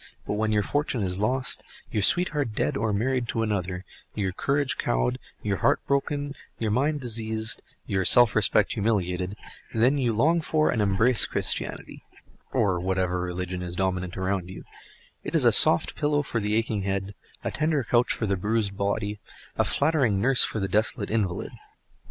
But when your fortune is lost, your sweetheart dead or married to another, your courage cowed, your heart broken, your mind diseased, your self respect humiliated, then you long for and embrace Christianity (or whatever religion is dominant around you): it is a soft pillow for the aching head, a tender couch for the bruised body, a flattering nurse for the desolate invalid.